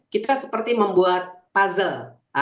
kita seperti membuat puzzle